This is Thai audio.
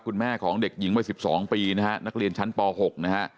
คุณแม่ของเด็กหญิงวัย๑๒ปีนะฮะนักเรียนชั้นป๖นะฮะ